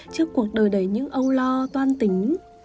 trước cuộc đời đầy những âu lo toan tính